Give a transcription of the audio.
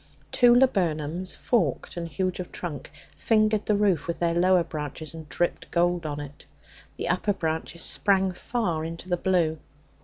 Two laburnums, forked and huge of trunk, fingered the roof with their lower branches and dripped gold on it. The upper branches sprang far into the blue.